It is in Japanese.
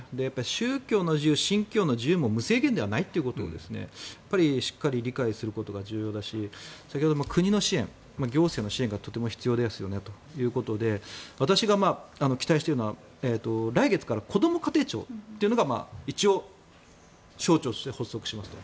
宗教の自由、信教の自由も無制限ではないということをしっかり理解することが重要だし先ほど国の支援、行政の支援がとても必要ですよねということで私が期待しているのは来月からこども家庭庁というのが一応、省庁として発足しますと。